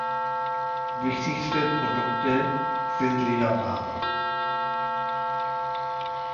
Wichtigste Produkte sind Lederwaren.